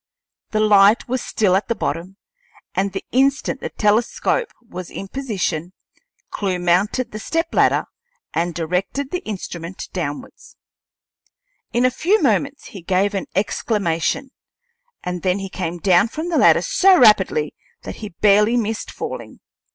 The light was still at the bottom, and the instant the telescope was in position Clewe mounted the stepladder and directed the instrument downward. In a few moments he gave an exclamation, and then he came down from the ladder so rapidly that he barely missed falling.